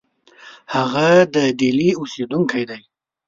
هغه د ډهلي اوسېدونکی دی.